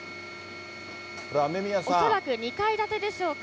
これ、恐らく２階建てでしょうか。